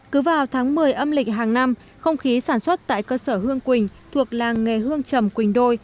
cứ vào tháng một mươi âm lịch hàng năm không khí sản xuất tại cơ sở hương quỳnh thuộc làng nghề hương trầm quỳnh đôi